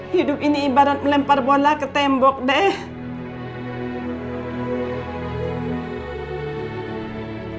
hidup ini ibarat melempar bola ke tembok deh